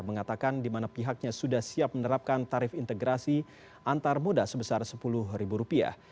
mengatakan di mana pihaknya sudah siap menerapkan tarif integrasi antar muda sebesar sepuluh ribu rupiah